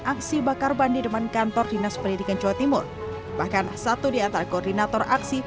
aksi bakar ban di depan kantor dinas pendidikan jawa timur bahkan satu diantara koordinator aksi